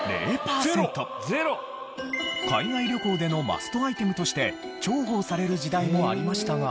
海外旅行でのマストアイテムとして重宝される時代もありましたが。